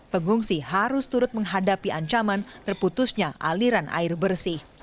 pengungsi harus turut menghadapi ancaman terputusnya aliran air bersih